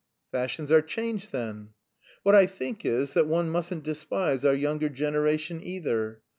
"Fashions are changed then?" "What I think is that one mustn't despise our younger generation either.